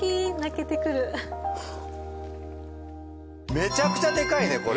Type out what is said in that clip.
めちゃくちゃでかいねこれ。